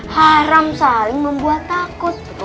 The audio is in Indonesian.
haram saling membuat takut